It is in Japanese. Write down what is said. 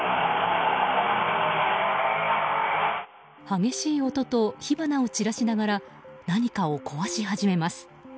激しい音と火花を散らしながら何かを壊し始めます。